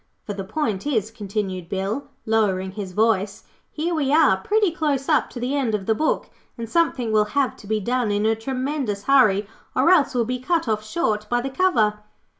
For the point is,' continued Bill, lowering his voice, 'here we are pretty close up to the end of the book, and something will have to be done in a Tremendous Hurry, or else we'll be cut off short by the cover.'